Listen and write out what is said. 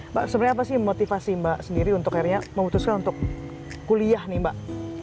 mbak sebenarnya apa sih motivasi mbak sendiri untuk akhirnya memutuskan untuk kuliah nih mbak